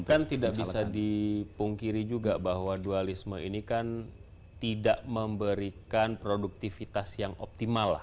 tapi kan tidak bisa dipungkiri juga bahwa dualisme ini kan tidak memberikan produktivitas yang optimal lah